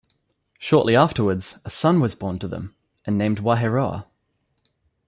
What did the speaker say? Shortly afterwards, a son was born to them, and named Wahieroa.